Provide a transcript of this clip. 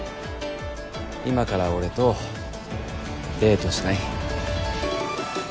今から俺とデートしない？